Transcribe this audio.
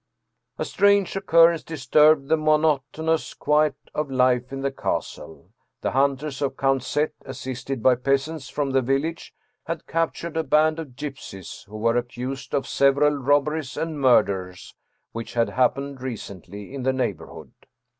" A strange occurrence disturbed the monotonous quiet of life in the castle. The hunters of Count Z., assisted by peasants from the village, had captured a band of gypsies who were accused of several robberies and murders which had happened recently in the neighborhood.